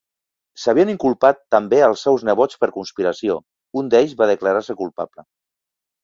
S'havien inculpat també als seus nebots per conspiració, un d'ells va declarar-se culpable.